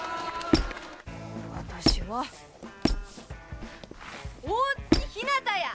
私は大月ひなたや！